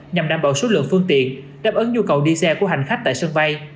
nhằm đảm bảo số lượng phương tiện đáp ứng nhu cầu đi xe của hành khách tại sân bay